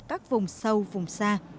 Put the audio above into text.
các vùng sâu vùng xa